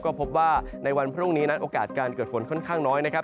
ก็พบว่าในวันพรุ่งนี้นั้นโอกาสการเกิดฝนค่อนข้างน้อยนะครับ